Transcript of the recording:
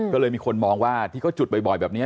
ก็เลยมีคนมองว่าที่เขาจุดบ่อยแบบนี้